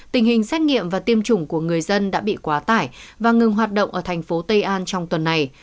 tình hình xét nghiệm và tiêm chủng của người dân đã bị quá tải và ngừng hoạt động ở thành phố tây an trong tuần này